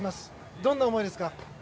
どんな思いですか。